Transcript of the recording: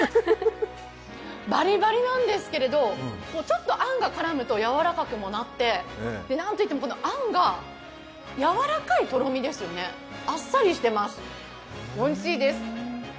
バリバリなんですけど、ちょっとあんが絡むとやわらかくもなって何といっても、このあんがやわらかいとろみですよね、あっさりしてます、おいしいです！